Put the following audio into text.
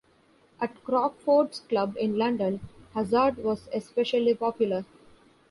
At Crockford's Club in London, hazard was especially popular.